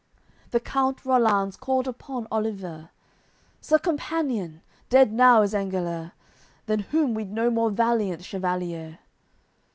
AOI. CXV The count Rollanz called upon Oliver: "Sir companion, dead now is Engeler; Than whom we'd no more valiant chevalier."